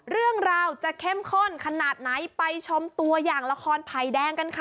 เรื่องราวจะเข้มข้นขนาดไหนไปชมตัวอย่างละครภัยแดงกันค่ะ